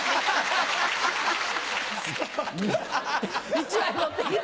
１枚持って来て！